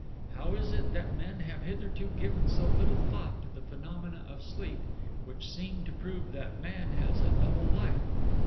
"How is it that men have hitherto given so little thought to the phenomena of sleep, which seem to prove that man has a double life?